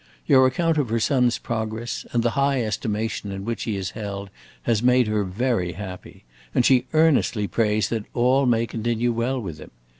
Your account of her son's progress and the high estimation in which he is held has made her very happy, and she earnestly prays that all may continue well with him.